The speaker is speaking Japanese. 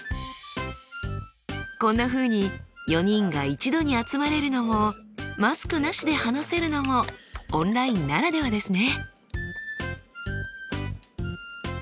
こんなふうに４人が一度に集まれるのもマスクなしで話せるのもオンラインならではですね。